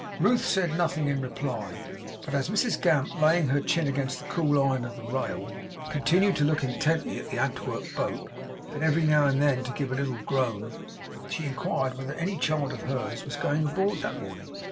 Ruth said nothing in reply; but, as Mrs Gamp, laying her chin against the cool iron of the rail, continued to look intently at the Antwerp boat, and every now and then to give a little groan, she inquired whether any child of hers was going aboard that morning?